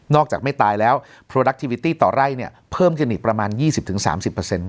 นอกจากไม่ตายแล้วต่อไร่เนี่ยเพิ่มกันอีกประมาณยี่สิบถึงสามสิบเปอร์เซ็นต์